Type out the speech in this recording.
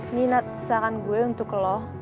nih nad saran gue untuk lo